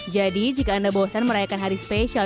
jadi jika anda bosan merayakan hari spesial